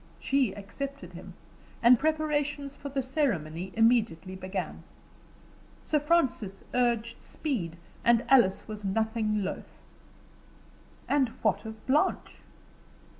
She accepted him, and preparations for the ceremony immediately began. Sir Francis urged speed, and Alice was nothing loth. And what of Blanche?